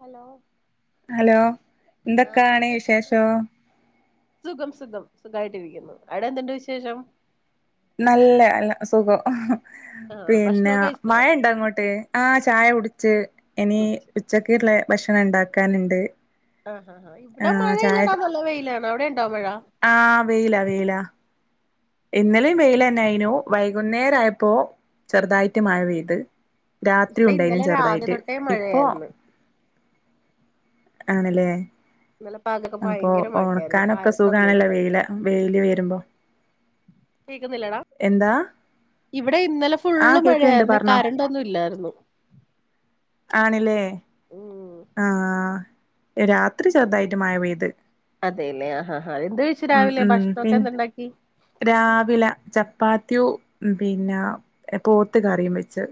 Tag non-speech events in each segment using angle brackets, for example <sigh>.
Hello hello, ആഹ് hello ന്തൊക്കാണ് കേക്കാൻ വിശേഷം? പറ്റുന്നുണ്ടോ സുഖം, സുഖം, സുഖായിട്ടിരിക്കുന്നു അവിടെന്തുണ്ട് വിശേഷം? നല്ല അല്ല സുഖോ ആഹ് പിന്ന ഭക്ഷണൊക്കെ കഴിച്ചോ മഴണ്ടോ അങ്ങോട്ട്? ആഹ് ചായ കുടിച്ച് എനി കുടിച്ചു. ഉച്ചക്ക്ള്ള ഭക്ഷണം ണ്ടാക്കാന്ണ്ട്. അ ഹ ഹ ഇവിടെ മഴയില്ലടാ നല്ല വെയിലാണ് അവിടെ യിണ്ട മഴ. ആഹ് വെയില വെയില. ഇന്നലെം വെയിലെന്നെയ്നു വൈകുന്നേരയപ്പോ ചെറുതായിട്ട് മഴ പെയ്ത്. രാത്രിയു ഇവിടെ ണ്ടായ്നും ഇന്നലെ രാവിലെ ചെറ്തായിട്ട് തൊട്ടേ ഇപ്പൊ മഴയായിരുന്നു ആണ്ലേ ഇന്നലെ പകലൊക്കെ അപ്പൊ ഭയങ്കര മഴയായിരുന്നു ഒണക്കാനൊക്കെ കറണ്ട് ഒന്നും സുഖാണല്ലോ ഇല്ലായിരുന്നു വെയില വെയില് വെരുമ്പോ കേക്കുന്നില്ലേടാ എന്താ ഇവിടെ ഇന്നലെ ആ ഫുള്ള് കേക്കണ്ട് മഴയായിരുന്നേ പറഞ്ഞോ കരണ്ടൊന്നും ഇല്ലായ്രുന്നു ആണ്ലേ ഉം ആഹ് എ രാത്രി ചെറുതായ്ട്ട് മഴ പെയ്ത് അതെല്ലേ ആഹ് എന്ത് കഴിച്ച് രാവിലെ ഭക്ഷണോക്കെ എന്ത്ണ്ടാക്കി രാവില ചപ്പാത്തിയു ഉം പിന്ന പോത്ത് കറിയും വെച്ച്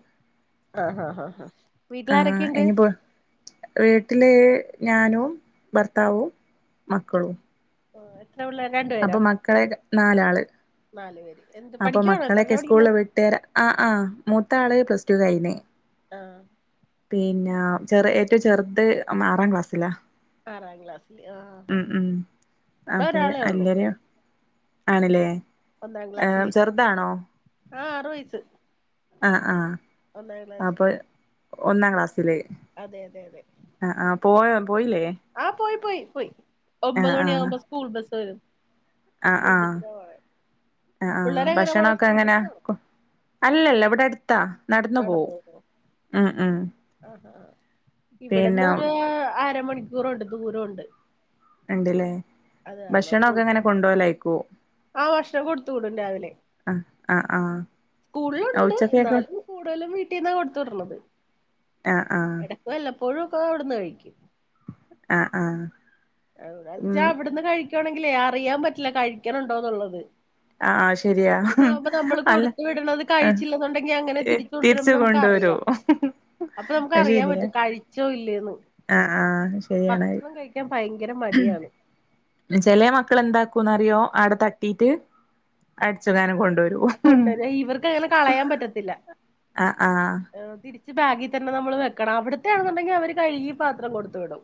അഹ് അഹ് ആഹ് എനിപ്പോ വീട്ടില് ഞാനും ഭർത്താവും മക്കളും ആഹ് എത്ര വിള്ളേര രണ്ട് പേരോ <unintelligible> നാലാള് നാല് പേര് എന്ത് പഠിയ്ക്കുവാണോത്രല്ല പഠിക്കുന്നേ തെര ആഹ് ആഹ് മൂത്താള് പ്ലസ് ടു കഴിഞ്ഞ് ആഹ് പിന്നെ ചെറ ഏറ്റവും ചെറുത് ആറാം ക്ലാസ്സിലാ. ആറാം ക്ലാസ്സില് ആഹ് ഉം ഉം ഇവിടെ അപ്പ അത് ഒരാളെ ഉള്ളൂ അല്ലരോ ആണല്ലേ? ഒന്നാം ക്ലാസ്സില് ചെറുതാണോ ആഹ് ആറു വയസ് ആഹ് ആഹ് അപ്പൾ ഒന്നാം ക്ലാസ്സില്. അതെ അതെ അതെ ആഹ് ആഹ് പോ പോയില്ലേ? ആഹ് പോയി പോയി പോയി ആ ഒമ്പത് മണിയ ആകുമ്പോ സ്കൂൾ ബസ് വരും ആഹ് സ്കൂൾ ആഹ് ബസ്സിനാ പോണെ ആ ആഹ് പിള്ളേര് എങ്ങനെ പോണെ ഭക്ഷണൊക്കെ സ്കൂൾ എങ്ങനെ? ബസ്സിനാണോ അല്ലല്ല ഇവിടെ അടുത്താ നടന്നു നടന്ന് പോവും പോണോ ഉം ഉം പിന്നെ ഇവിടന്നരു അരമണിക്കൂറുണ്ട് ദൂരംണ്ട്. ഉണ്ടില്ലേ ഭക്ഷണൊക്കെ അങ്ങനെ കൊണ്ടുപോലായിക്കുവോ? ആഹ് ഭക്ഷണം കൊടുത്തുകൂടും രാവിലെ ആ ആ സ്കൂളിലുണ്ട് ഉച്ചക്കൊക്കെ എന്നാലും. കൂടുതലും വീട്ടീന്ന കൊടുത്ത വിടരണത്. ആഹ് ആഹ് വല്ലപ്പോയും ക്കെ അവിടുന്ന് കഴിക്കും. ആഹ് ആഹ് എന്ത്ച്ചാ അവിടുന്ന് കഴിക്കണെങ്കിലേ അറിയാൻ പറ്റില്ല കഴിക്കണുണ്ടോന്നുള്ളത്. ആ ആ ശരിയാ ഇവിടന്ന ആകുമ്പോ നമ്മള് അല്ല കൊടുത്തു വിടണത് കഴിച്ചില്ലെന്നുണ്ടെങ്കി അങ്ങനെ തിരി തിരിച്ചു കൊണ്ടരുമ്പോ തിരിച്ച് നമുക്ക് അറിയ. കൊണ്ടുവരോ അപ്പൊ നമുക്ക് അത് അറിയാൻ ശരിയാ പറ്റും കഴിച്ചോ ഇല്ലേന്ന് ആ ആ ശരിയാണ് ഭക്ഷണം കഴിക്കാൻ ഭയങ്കര മടിയാണ്. ചെല മക്കൾ എന്താക്കുംന്ന്റിയോ അടെ തട്ടിട്ട് അടച്ചു കാനം കൊണ്ടപരും. കൊണ്ടുവ ഇവർക്ക് അങ്ങനെ കളയാൻ പറ്റത്തില്ല ആഹ് ആഹ് ഏഹ് തിരി ബാഗിൽ തന്ന നമ്മൾ വെക്കണം അവിടത്ത ആണെന്നുണ്ടെങ്കിൽ അവര് കഴുകി പാത്രം കൊടുത്തു വിടും.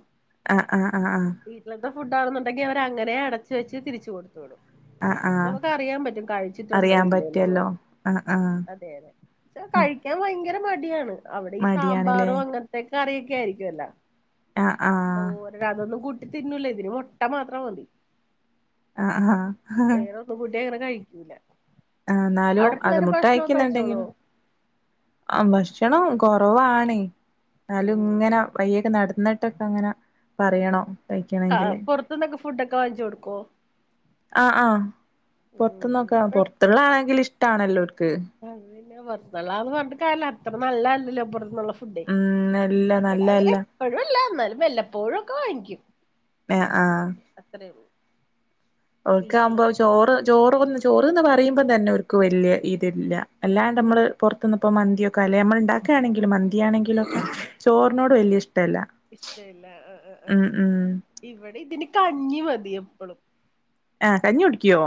ആഹ് അഹ് അഹ് ആഹ് വീട്ടിലത്തെ ഫുഡ്ണെന്നുണ്ടെങ്കിൽ അവര അങ്ങന അടച്ച് വെച്ച് തിരിച്ച കൊടുത്ത് വിടും. ആഹ് നമുക്ക് അറിയാൻ പറ്റും കഴിച്ചിട്ടുണ്ടോ ഇല്ലേ? ഇല്ലേലോ എന്നുള്ളത് ആഹ് ആഹ്- അതെ അതെ കഴിക്കാൻ ഭയങ്കര മടിയാണ് അവിടെ ഈ മടിയാണല്ലേ സാമ്പാറും അങ്ങനത്തെ ക്കെ കറിയൊക്ക ആയിരിക്കുല്ലോ. ആഹ് ആഹ് അതൊന്നും കൂട്ടി തിന്നൂല ഇതിന് മുട്ട മാത്രം മതി. ആഹ് ആഹ് ഒ കുട്ടി അങ്ങന കഴിക്കൂല്ല. ആഹ് എന്നാലും അത് മുട്ട കഴിച്ചോളോ കഴിയ്ക്കുന്നുണ്ടെങ്കിലും ആ ഭക്ഷണം കുറവാണ് എന്നാലും ഇങ്ങനെ പയ്യൊക്കെ നടന്നിട്ടൊക്കെ അങ്ങനെ. പറയണോ ആഹ് പുറത്തുന്നൊക്കെ ഫുഡ്ക്കെ വാങ്ങിച്ചു കൊടുക്കോ? ആഹ് ആഹ് പൊറത്ത്ന്നൊക്കെ വാങ്ങി കൊട് പൊറത്തുള്ളാതാണെങ്കിൽ ഇഷ്ടണല്ലോർക്ക് അ പിന്നെ പൊറത്തൂന്നുള്ളാന്ന് പറഞ്ഞിട്ട് കാര്യല്ല അത്ര നല്ലല്ലല്ലോ പുറത്തൂന്നുള്ള ഫുഡ്- ഉം നല്ല നല്ലയല്ല എപ്പോഴ്വല്ല എന്നാലും എല്ലപ്പോഴും ഒക്കെ വാങ്ങിക്കും. ഏഹ് ആഹ് അത്രേ ഉള്ളൂ. ഓക്ക ആകുമ്പോ വീട്ടിലതൊക്കെ ചോറ് ചോറ്ന്ന് ചോറ്ന്ന് പറയുമ്പം തന്നെ ഓർക്ക് വലിയ ഇതില്ല. അല്ലാണ്ട് അമ്മള് പൊർ ത്ത്ന്ന് ഇപ്പോ മന്തിയൊക്കെ അല്ലേ നമ്മൾ ഉണ്ടാക്കുകയാണെങ്കിലും മന്തിയാണെങ്കിലുംക്കെ ചോറിനോട് വലിയ ഇഷ്ടല്ല. ഇഷ്ടല്ല ആഹ് ഉം ഉം ഇവിടെ ഇതിന് കഞ്ഞി മതി എപ്പോഴും. ആ കഞ്ഞി കുടിക്യോ?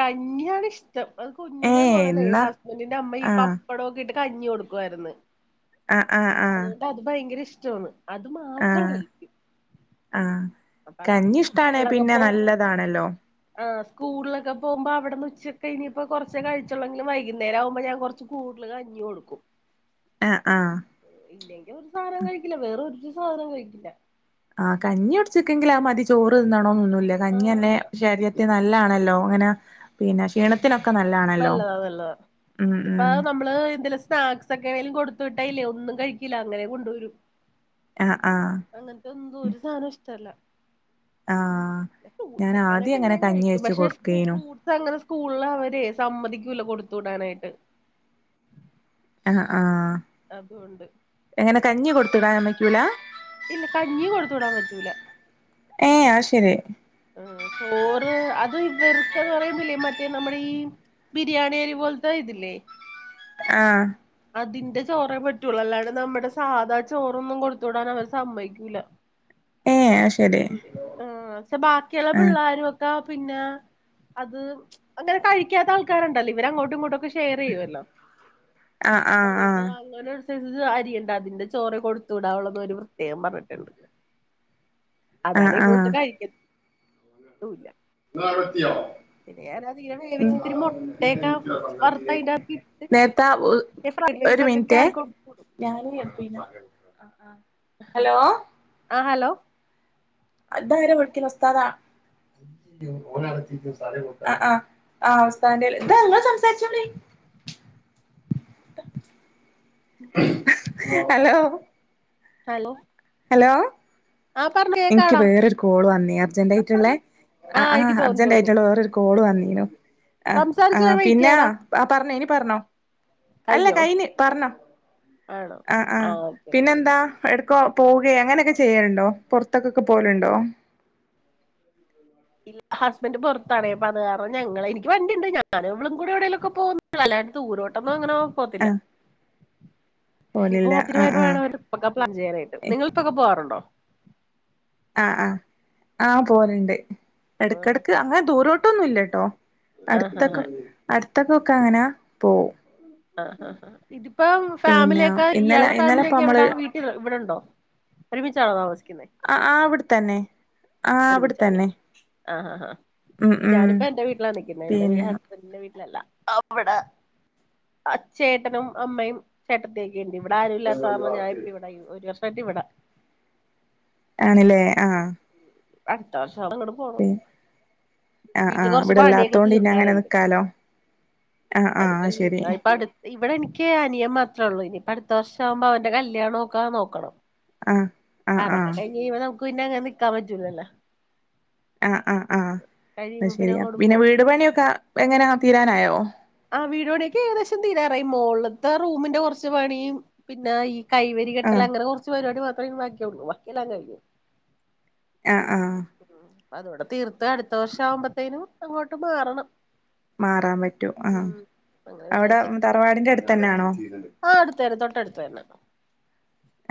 കഞ്ഞിയാണ് ഇഷ്ടം അത് ഏ കുഞ്ഞിലെ മുതലേ എന്നാ ഹസ്ബൻഡിന്റെ അമ്മ ഈ ആ പ പ്പടവൊക്കെയിട്ട് കഞ്ഞി കൊടുക്കുവാരുന്നു. ആഹ് ആഹ് അതുകൊണ്ടത് ഭയങ്കര ഇഷ്ടമാണ് അത് മാത്രം ആഹ് കഴിക്കും ആഹ് അപ്പൊ അതുകൊണ്ട് കഞ്ഞി ഇഷടാണെ പിന്നെ നല്ലതാണല്ലോ- ആ സ്കൂളിലൊക്കെ പോകുമ്പോ അവിടെന്ന് ഉച്ചക്കെ ഇനിയിപ്പോ കൊറച്ചെകഴിച്ചുള്ളെങ്കിൽ വൈകുന്നേരാകുമ്പോ ഞാൻ കൊറച്ച് - കൂടുതൽ കഞ്ഞി കൊടുക്കും ആഹ് ആഹ് ഇല്ലെങ്കിൽ ഒരു സാധനം കഴിക്കില്ല വേറൊരു സാധനോം കഴിക്കില്ല. ആഹ് കഞ്ഞി കുടിച്ചിക്കെങ്കിൽ അ മതി ചോറ് തിന്നണോന്നൊ ന്നില്ല കഞ്ഞി ആഹ് തന്നെ അതാ ശരീരത്തിൽ നല്ലാണല്ലോ അങ്ങനെ. പിന്നെ ക്ഷീണത്തിനൊക്കെ നല്ലാണല്ലോ നല്ലതാ നല്ലതാ ഉം ഇതിപ്പോ ഉം. നമ്മള് എന്തേലും സ്നാക്ക്- സൊക്കെ കൊടുത്തു വിട്ടായില്ലേ ഒന്നും കഴിക്കില്ല അങ്ങനേ കൊണ്ട് വരും. ആഹ് ആഹ് അങ്ങനത്തെ ഒന്നും ഒരു സാധനോം ഇഷ്ടല്ല ആഹ് ഞാൻ ഫ്രൂട്ട്സ് ഒക്കെയാണെ ആദ്യം അങ്ങനെ പിന്നേം കഞ്ഞി കഴിക്കും വെച്ച് പക്ഷെ ഫ്രൂ കൊടുക്കേനു ഫ്രൂട്ട്- സങ്ങനെ സ്കൂളില് അവരെ സമ്മതിക്കൂല്ല കൊടുത്ത് വിടാനായിട്ട്. അഹ് ആഹ്. അതുകൊണ്ട് എങ്ങനെ കഞ്ഞി കൊടുത്തു വിടാനും പറ്റൂല. ഇല്ല കഞ്ഞി കൊടുത്തു വിടാൻ പറ്റൂല ഏഹ് ആഹ്ശെരി ഉം ചോറ് അത് ഇവർക്കന്ന് പറയ്മ്പില്ലേ മറ്റേ നമ്മടീ ബിരിയാണിയരി പോലത്തെ ഇതില്ലേ ആഹ് അതിന്റെ ചോറേ പറ്റ്വൊള്ളൂ അല്ലാണ്ട് നമ്മടെ സാധാ ചോറൊന്നും കൊടുത്ത് വിടാൻ അവര് സമ്മയ്ക്കൂല ഉ <inaudible> സ്കൂള്ല് ആഹ് പക്ഷേ ബാക്കിയൊള്ള പിള്ളാ ആഹ് ള്ളാരുവക്കാ പിന്നെ അത് അങ്ങനെ കഴിക്കാത്ത ആൾക്കാര്ണ്ടല്ലോ ഇവര് അങ്ങോട്ടും ഇങ്ങോട്ടുവൊക്കെ ഷ് ഷെയറെയ്യുവല്ലോ ആഹ് ആഹ് അതുകൊണ്ട് ആഹ് അങ്ങനെ <unintelligible> അരിയൊണ്ട് അതിന്റെ ചോറേ കൊടുത്തു വിടാവൊള്ളെന്ന് അവര് പ്രത്യേകം പറഞ്ഞിട്ടൊണ്ട് ആഹ് അതാണെ ഇവളൊട്ട് ആഹ് കഴിക്കത്തൂല്ലാ ഇങ്ങളവ്ടെത്തിയോ പിന്നെ ഞാനതീയെടെ വേവിച്ചിത്തിരി മൊട്ടയക്കെ വറുത്തയിന്റാത്തിട്ട് നേരത്തെ സ്റാ ഈ ലേസൊക്കെ ക്യാ കു ഞാനും യെപ്പീന്റെ ആളാണ് ആഹ് ഹലോ അതാരാ വിളിക്കണേ ഉസ്താ <unintelligible> ആഹ് ആഹ് ആഹ് ഉസ്താദ്ന്റേല് ദാ ഇങ്ങള് സംസാരിച്ചോളീ ഹലോ ഹലോ ഹലോ ആ പറഞ്ഞോ എനിക്ക് കേക്കാടാ വേറൊരു കോള് വന്നേ അർജന്റായ്ട്ട്ള്ളേ ആ ആഹ് എനിക്ക് ആഹ് തോന്നി തോന്നി അർജന്റായ്ട്ട്ള്ള വേറൊരു കോള് വന്നീന്നു ആഹ് സംസാരിച്ചു ആഹ് ഞാൻ വെയിറ്റ് പിന്നാ ചെയ്യാടാ ആഹ് പറഞ്ഞോ ഇനി പറഞ്ഞോ അല്ല കഴിഞ്ഞോ കയ്ഞ്ഞ് പറഞ്ഞോ ആണോ ആഹ് ആ ആഹ് ഓക്കെ ഓക്കെ ഓക്കെ പിന്നെന്താ ഏടക്കോ പോവ്കയോ അങ്ങനൊക്കെ ചെയ്യല്ണ്ടോ പൊറത്തൊക്കക്കെ പോവല്ണ്ടോ ഇൽ ഹസ്ബന്റ് പൊറത്താണെ അപ്പോ അത് കാരണം ഞങ്ങളെ എനിക്ക് വണ്ടിയ്ണ്ട് ഞാനും ഇവളുംകൂടി എവിടേലൊക്കെ പോവും അല്ലാതെ ദൂരോട്ടൊന്നും അങ്ങനെ പോത്തില്ല ആഹ് ഈ പോലില്ല പോത്തിന് ആഹ് ആഹ് <unintelligible> ഒക്കെ പ്ലാൻ ചെയ്യാനായിട്ട് നിങ്ങൾതൊക്കെ പോകാറ്ണ്ടോ ആഹ് ആഹ് ആഹ് പോകല്ണ്ട് ആ എടക്കെടക്ക് അങ്ങനെ ദൂരോട്ടൊന്നുംല്ലെട്ടോ ആഹാ ആ ഹാ ഹാ അടുത്തൊക്കെ അടുത്തൊക്കേക്കെ അങ്ങനാ പോവും ആഹ് ആഹ് ആഹ് ഇതിപ്പം പിന്നെ ഫാമിലിയക്കെ ഇന്നലെ ഇയാൾടെ ഇന്നലെപ്പ ഫാമിലിയക്കെ നമ്മള് എവിടാ വീ ഇത് ഇവിടെണ്ടോ ഒരുമിച്ചാണോ താമസിക്ക്‌ന്നെ ആഹ് ആഹ് അവ്ടെ തന്നെ ആഹ് അവ്ടെത്തന്നെ ആഹ് ഹാ ഹാ ഇഞാനിപ്പെന്റെ വീട്ടിലാ നിക്ക്‌ന്നെ എന്റെ വീ പിന്നെ ഹസ്ബന്റിന്റെ വീട്ടിലല്ല അവ്ടേ അച്ചേട്ടനും അമ്മയും ചേട്ടത്തീം എന്റിവ്ടെ ആരൂല്ലാത്താർണം ഞാനിപ്പവ്ടാ ഒരു വർഷായിട്ടിവ്ടെ ആണ്ല്ലേ ആഹ് അട്ത്ത വർഷങ്ങട് പി ആഹ് ആഹ് കുറച്ച് പണിയൊക്കെ ഇവിടെല്ലാത്തോണ്ട് പിന്നങ്ങനെ തീർക്കാനുണ്ട് നിക്കാലോ ആഹ് ആഹ് ആശെരി ഇവിടെനിക്ക് അനിയൻ മാത്രേ ഒള്ളൂ ഇനീപ്പടുത്ത വർഷം ആവുമ്പോ അവന്റെ കല്യാണൊക്കെ നോക്കണം ആഹ് ആഹ് അതക്കെ ആഹ് കഴിഞ്ഞ് ഇവ്ടെ നമുക്ക് പിന്നങ്ങനെ നിക്കാൻ പറ്റൂലല്ലോ ആഹ് ആഹ് ആഹ് കഴിയുമ്പോ അത്ശെരിയാ അങ്ങോട്ട് പിന്നെ പോണം വീട് പണിയൊക്കെ എങ്ങനെ തീരാനായോ ആഹ് വീട് പണിയൊക്കെ ഏകദേശം തീരാറായി മോള്ത്തെ റൂമിന്റെ കൊറച്ച് പണിയും പിന്നെ ഈ കൈവരി ആഹ് കെട്ടലങ്ങനെ കൊറച്ച് പരിപാടി മാത്രേ ഇനി ബാക്കിയൊള്ളൂ ബാക്കിയെല്ലാം കഴിഞ്ഞ് ആഹ ആഹ അതോവിടെ തീർത്ത് അടുത്ത വർഷയാവുമ്പത്തേനും അങ്ങോട്ട് മാറണം മാറാൻ പറ്റൂ ആഹ ഉം അങ്ങനെ അവിടെ വിചാരിച്ചിരിക്കുന്നു തറവാടിന്റെ അടുത്തെന്നാണോ ആഹ് അടുത്തന്നെ തൊട്ടടുത്തന്നെ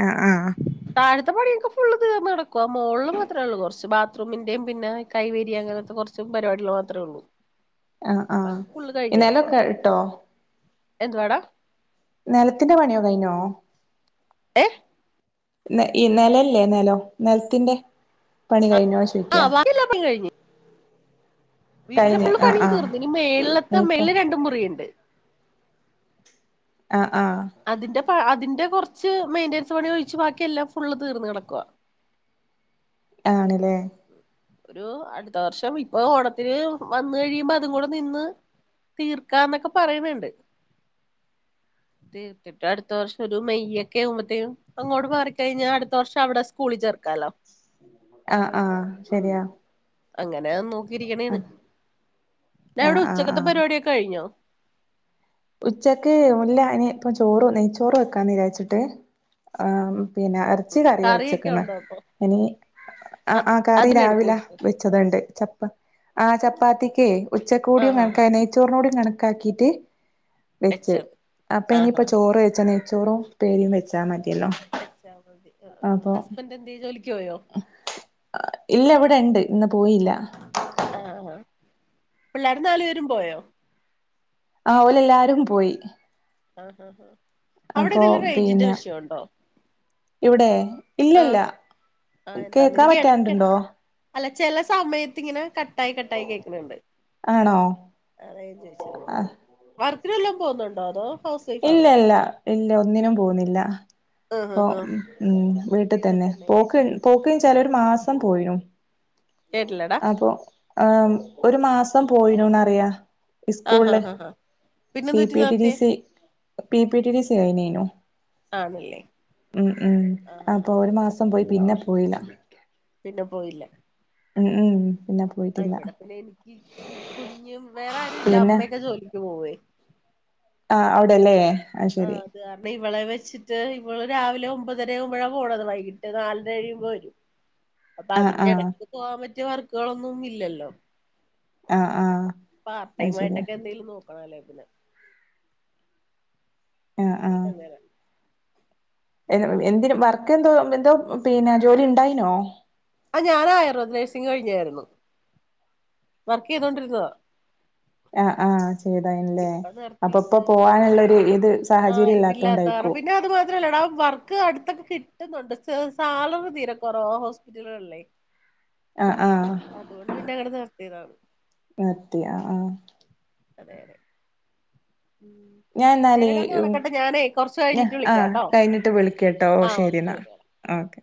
ആ ആഹ താഴത്ത പണിയൊക്കെ ഫുള്ള് തീർന്ന് കെടക്കുവ മോള് മാത്രേയുള്ളൂ കുറച്ച് ബാത്റൂമിന്റെയും പിന്നെ കൈവേരി അങ്ങനത്തെ കുറച്ച് കുറച്ച് പരിപാടികൾ മാത്രേയുള്ളൂ ആഹ ആഹ കിടക്കുവാ നെലൊക്കെ ഇട്ടോ എന്തുവാടാ നിലത്തിന്റെ പണിയോ കഴിഞ്ഞോ ഏഹ ഈ നിലല്ലേ ന്നലം നലത്തിന്റെ പണി കഴിഞ്ഞോ ആഹ ചോയിക്കാ ബാക്കിയെല്ലാ പണിയും കഴിഞ് വീട്ടന്റെ കഴിഞ്ഞ് ഫുള്ള് ആഹ് പണിയും ആഹ് തീർന്ന് ഇനി മേലത്തെ ഇനിയിപ്പോ മേല് രണ്ട് മുറിയിണ്ട് ആ ആഹ അതിന്റെ അതിന്റെ കുറച്ച് മെയിന്റനൻസ് പണി ഒഴിച്ച് ബാക്കി എല്ലാം ഫുള്ള് തീർന്ന് തിടക്കുവാ ആണ് ല്ലേ ഒരു അടുത്ത വർഷം ഇപ്പൊ ഓണത്തിന് വന്ന് കഴിയുമ്പോ അതും കൂടെ നിന്ന് തീർക്കാന്നൊക്കെ പറയണണ്ട് അടുത്ത വർഷം ഒരു മെയ്യക്കാവുമ്പത്തേക്കും അങ്ങോട്ട് മാറിക്കഴിഞ്ഞാ അടുത്ത വർഷവിടെ സ്കൂളിൽ ചേർക്കാലോ ആഹ ആഹ ഉം ശരിയാ അങ്ങനെ നോക്കിയിരിക്കാണ് ആഹ് അവിടെ ആഹ് ആഹ് ഉച്ചക്കത്തെ ആഹ് പരിപാടിക്കെ കഴിഞ്ഞോ ഉച്ചക്ക് ഇല്ല ഇനി ഇപ്പം ചോറ് നെയ്ച്ചോറ് വെക്കാന്ന് വിജാരിച്ചിട്ട് ആ പിന്നെ കൊച്ച് കറിയാ കറിയൊക്കെ വെച്ചക്കുന്നെ ഉണ്ടോ അപ്പൊ ഇനി അത് ആ കറി അതിനെടുക്കൂ രാവിലെ വെച്ചതുണ്ട് ചപ്പആ ചപ്പാത്തിക്ക് ഉച്ചക്കൂടിയ ആഹ് ആഹ് വക്കെ ചോറിനോടും കണക്കാക്കിയിട്ട് വെച്ച് വെച്ചത് അപ്പൊ ആഹ് ഇനിയിപ്പം ആഹ് ചോറ് വെയ്ച്ചണെ നെയ്ച്ചോറും ഉപ്പേരിയും വെച്ചാ മതില്ലോ വെച്ചാമതി ഹസ്ബന്റെന്തേ ജോലിക്ക് പോയോ ഇല്ല ഇവിടെ ഇണ്ട് ഇന്ന് പോയില്ല ആ ആഹ് പിള്ളേര് നാല് പേരും പോയോ ആ ഓലല്ലാരും പോയി ആഹ് ആ ആ അപ്പൊ അവിടെതിലും റേഞ്ചിന്റെ പിന്നെ വിഷയം ഉണ്ടോ ഇവിടെ ഇല്ലല്ല ആഹ് എന്താന്ന് കേക്കാൻ എനിക്ക് എടക്കെട പറ്റാണ്ടുണ്ടോ അല്ല ചില സമയത്ത് ഇങ്ങനെ കട്ടായി കട്ടായി കേൾക്കണണ്ട് ആണോ അത ചോിച്ചത് ആ വർക്കിനെല്ലാം പോുന്നുണ്ടോ അതോ ഹൗസ് വൈഫ് ഇല്ല ആണോ ഇല്ല ഇല്ല ഒന്നിനും പോകുന്നില്ല ആഹ് അപ്പ ആഹ് ആഹ് ഉ വീട്ടിൽ തന്നെ പോക്ക് പോക്ക ചാല ഒരു മാസം പോയിു കേട്ടില്ലടാ അപ്പൊ ആ ഒരു മാസം പോയിനുന്ന്റിയാം ആഹ് സ്കൂളില് ആഹ് ആഹ് ആഹ് പിന്നെ പി എന്ത് പറ്റി പിടി ഡി നേരത്തെ സി പി പിടി ഡി സി അനനോ ആണല്ലേ ഉ ഉം ആഹ് ആഹ് അപ്പൊ ആഹ് ഒരു ഓക്കെ മാസം ഓക്കെ പോയി പിന്നെ പോയില്ല പിന്നെ പോയില്ല ഉം ഉം പിന്നെ ആഹ് പോയിട്ടില്ല ഇവിടെ പിന്നെഎനിക്ക് ഈ കുഞ്ഞും വേറെ ആരും ഇല്ല പിന്നെ അമ്മയൊക്കെ ജോലിക്ക് പോവേ ആഹ് അവ്ടെല്ലേ ആഹ് കാരണം ഇവളെ വെച്ചിട്ട് ഇവള് രാവിലെ ഒമ്പതര ആകുമ്പഴാ പോണത് വൈകിട്ട് നാലരഴിയുമ്പോ വെരും അപ്പൊ ആ അതിന്റെ ആ ഇടക്ക് പോകാൻ പറ്റിയ വർക്കുകളൊന്നും ഇല്ലല്ലോ ആഹ് ആഹ് പാർട്ട്ടൈ അത് ശരിയാ ആയിട്ടൊക്കെ എന്തെങ്കിലും നോക്കണം അല്ലെങ്കി പിന്നെ ആഹ് അതെല്ലെ എ എന്തിന വർക്ക് എന്തോ എന്തോ പിന്നെ ജോലി ഇ ണ്ടായിനോ ആഹ് ഞാനായിരു <unintelligible> കഴിഞ്ഞായിർന്നു വർക്ക് ചെയ്തോണ്ടിരുന്നതാ ആഹ് ആഹ് ചെയ്തായിരുന്നുല്ലേ ഇപ്പൊ നിർത്തി അപ്പോ ഇത് ഇപ്പോ പോവാനുള്ള ഒരു ഇത് ആഹ് സാഹചര്യം ഇല്ലാത്തോണ്ടായിക്കും ക്ക് അട്ത്തൊക്കെ കിട്ടുന്നുണ്ട് സ് സാലറി തീരെ കൊറോ ഹോസ്പിറ്റലുകള്ല്ലേ ആഹ് ആഹ് അതുകൊണ്ട് പിന്നെ അങ്ങനെ നിർ ത്തിയതാ മത്തിയാ ആഹ് അതെ അതെ ഉം ഞാൻന്നാലേ ശരിയടാ എന്നാ നടക്കട്ടെ <unintelligible> ഞാനേ കൊറച്ച് ഞ കഴിഞ്ഞിട്ട് ആഹ് വിളിക്കാട്ടോ കഴിഞ്ഞിട്ട് വിളിക്കട്ടോ ഓ ആഹ് ശരി ഓക്കെ എന്നാ ഓക്കെ